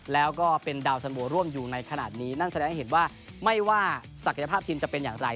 แล้วก็เป็นดาวสันโบร่วมอยู่ในขณะนี้นั่นแสดงให้เห็นว่าไม่ว่าศักยภาพทีมจะเป็นอย่างไร